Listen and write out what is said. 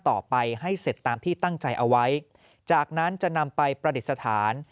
ต่อไปให้เสร็จตามที่ตั้งใจเอาไว้จากนั้นจะนำไปประดิษฐาน